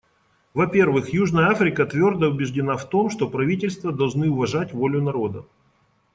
Во-первых, Южная Африка твердо убеждена в том, что правительства должны уважать волю народа.